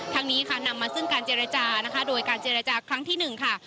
ทางนี้นำมาซึ่งการเจรจาโดยการเจรจาครั้งที่๑ค่ะ